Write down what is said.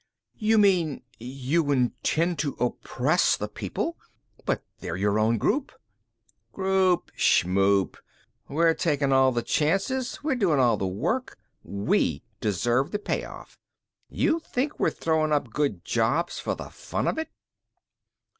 "You mean you intend to oppress the people? But they're your own group." "Group, schmoop. We're taking all the chances; we're doing the work. We deserve the payoff. You think we're throwing up good jobs for the fun of it?"